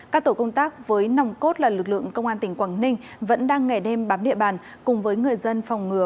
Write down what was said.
các tổ công tác với nòng cốt là lực lượng công an tỉnh quảng ninh vẫn đang ngày đêm bám địa bàn cùng với người dân phòng ngừa